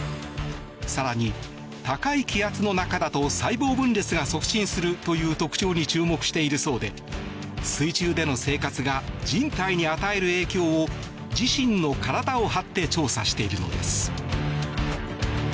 更に、高い気圧の中だと細胞分裂が促進するという特徴に注目しているそうで水中での生活が人体に与える影響を自身の体を張って調査しているのです。